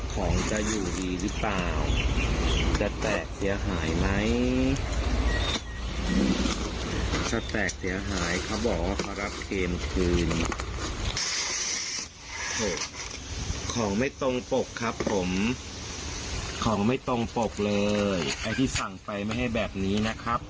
ของไม่ตรงปกครับผมของไม่ตรงปกเลยไอ้ที่สั่งไปไม่ให้แบบนี้นะครับ